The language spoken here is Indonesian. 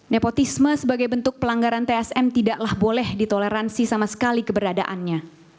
nepotisme sebagai bentuk pelanggaran tsm tidaklah boleh ditoleransi sama sekali keberadaannya